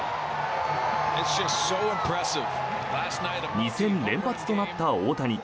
２戦連発となった大谷。